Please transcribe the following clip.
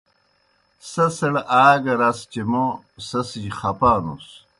سہ سڑ آ گہ رس چہ موْ سہ سِجیْ خپانُس۔